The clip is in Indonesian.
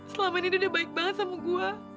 selama ini dia udah baik banget sama gue